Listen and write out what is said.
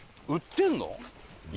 売ってるの？